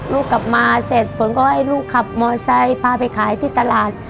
ลูกกลับมาเสร็จฝนก็ให้ลูกขับมอไซค์พาไปขายที่ตลาด